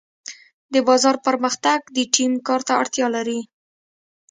د بازار پرمختګ د ټیم کار ته اړتیا لري.